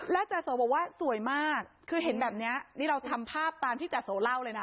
จาโสบอกว่าสวยมากคือเห็นแบบนี้นี่เราทำภาพตามที่จาโสเล่าเลยนะ